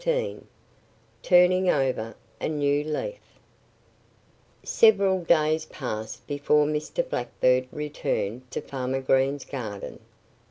XIII TURNING OVER A NEW LEAF SEVERAL days passed before Mr. Blackbird returned to Farmer Green's garden.